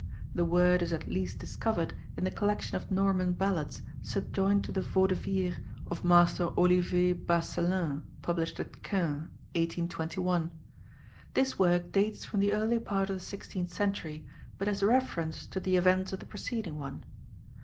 The word is at least discovered in the collection of Norman ballads subjoined to the 'Vaux de Vire' of Master Oliver Basselin published at Caen, 1821. This work dates from the early part of the sixteenth century, but has reference to the events of the preceding one.